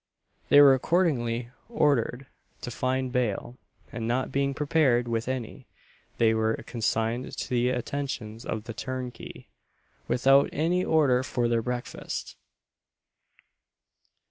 They were accordingly ordered to find bail, and not being prepared with any, they were consigned to the attentions of the turnkey, without any order for their breakfast.